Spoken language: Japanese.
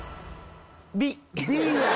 Ｂ。